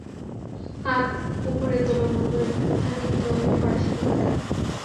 হাত উপরে তোল, মুখোশধারী লোভী ফরাসি কোথাকার!